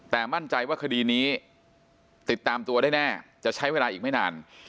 แต่มั่นใจว่าคดีนี้ติดตามตัวได้แน่จะใช้เวลาอีกไม่นาน